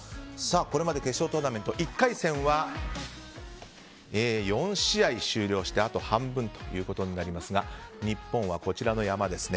これまで決勝トーナメント１回戦は４試合終了してあと半分となりますが日本はこちらの山ですね。